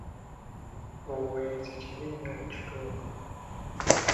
Obwenzi kibi nnyo mu kitundu.